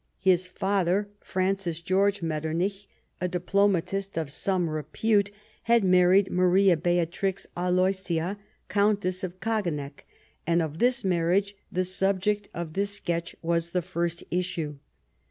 His father, Francis George Metternich, a diplo matist of some repute, had married Maria Beatrix Aloisa,, Countess of Kageneck, and of this marriage the subject of this sketch was the first issue.